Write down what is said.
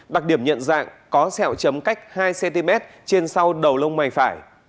đặc điểm nhận dạng có sẹo chấm cách hai cm trên sau đầu lông mày phải